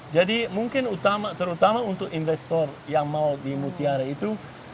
jadi mungkin terutama untuk investor yang mau di mutiara itu